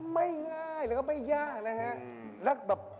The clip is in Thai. ไม่ง่ายหรือว่าไม่ยากนะฮะ